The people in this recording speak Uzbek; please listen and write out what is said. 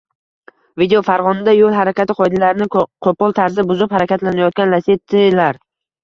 Video: Farg‘onada yo‘l harakati qoidalarini qo‘pol tarzda buzib harakatlanayotgan Lacetti’lar